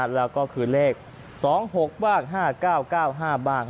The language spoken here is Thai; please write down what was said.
แล้วก็คือเลข๒๖บ้าง๕๙๙๕บ้าง